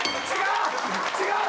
違う！